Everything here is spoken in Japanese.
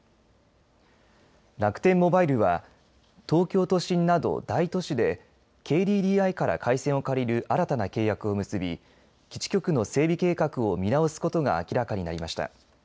楽天モバイルは東京都心など大都市でＫＤＤＩから回線を借りる新たな契約を結び基地局の整備計画を見直すことが明らかになりました。